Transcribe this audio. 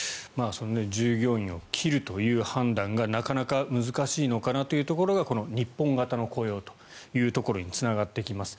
従業員を切るという判断がなかなか難しいのかなというところがこの日本型の雇用というところにつながってきます。